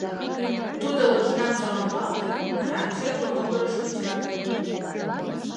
Тудо лыжган саламлалте, вара черле могырыш ончале.